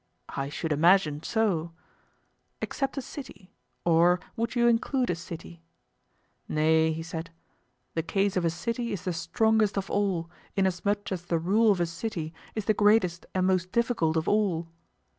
I should imagine so. Except a city?—or would you include a city? Nay, he said, the case of a city is the strongest of all, inasmuch as the rule of a city is the greatest and most difficult of all.